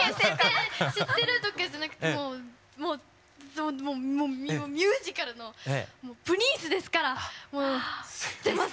知ってるとかじゃなくてもうミュージカルのプリンスですから知ってます